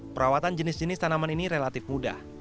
perawatan jenis jenis tanaman ini relatif mudah